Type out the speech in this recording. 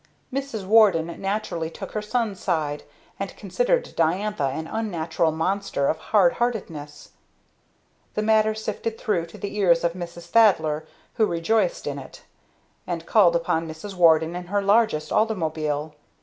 Mrs. Warden naturally took her son's side, and considered Diantha an unnatural monster of hard heartedness. The matter sifted through to the ears of Mrs. Thaddler, who rejoiced in it, and called upon Mrs. Warden in her largest automobile.